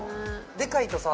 でかいとさ